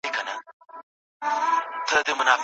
خان به د لویو دښمنیو فیصلې کولې